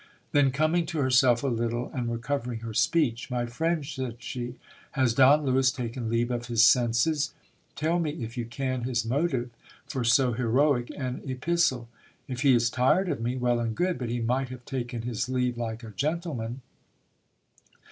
Then coming to herself a little, and recovering her speech — My friend, said she, has Don Lewis taken leave of his senses ? Tell me, if you can, his motive for so heroic an epistle. If he is tired of me, well and good, but he might have taken his leave like a gentleman.